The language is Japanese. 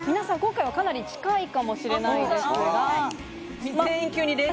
皆さん、今回はかなり近いかもしれないですが。